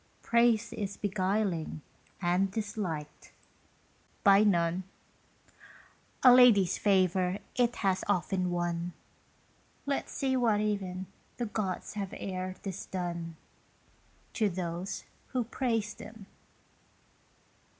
Praise is beguiling, and disliked by none: A lady's favour it has often won. Let's see whate'en the gods have ere this done To those who praised them.